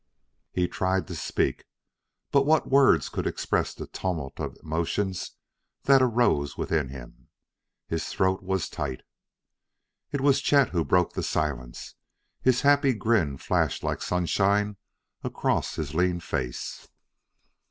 He tried to speak but what words could express the tumult of emotions that arose within him? His throat was tight.... It was Chet who broke the tense silence; his happy grin flashed like sunshine across his lean face.